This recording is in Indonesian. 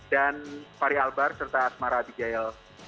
dan fari albar serta asmara abigail